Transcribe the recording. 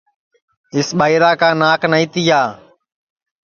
اِس ٻائیرا کا ناک نائی تیا